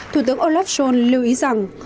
thủ tướng olaf scholz lưu ý rằng